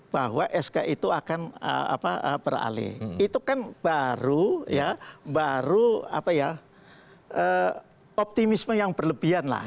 bahwa sk itu akan apa beralih itu kan baru ya baru apa ya eh optimisme yang berlebihan lah